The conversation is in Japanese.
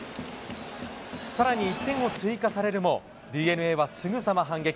さらに１点を追加されるも、ＤｅＮＡはすぐさま反撃。